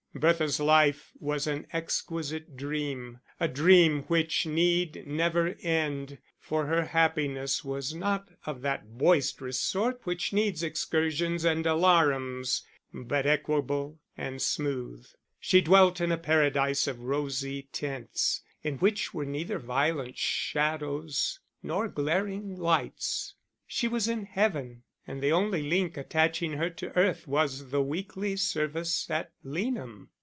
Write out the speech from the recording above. Bertha's life was an exquisite dream, a dream which need never end; for her happiness was not of that boisterous sort which needs excursions and alarums, but equable and smooth; she dwelt in a paradise of rosy tints, in which were neither violent shadows nor glaring lights. She was in heaven, and the only link attaching her to earth was the weekly service at Leanham.